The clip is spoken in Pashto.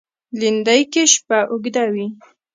لېندۍ کې شپه اوږده وي.